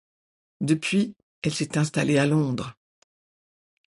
Depuis, elle s'est installée à Londres.